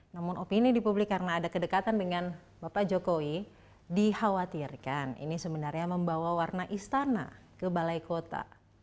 namun opini di publik karena ada kedekatan dengan bapak jokowi dikhawatirkan ini sebenarnya membawa warna istana ke balai kota